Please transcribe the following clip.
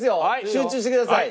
集中してください。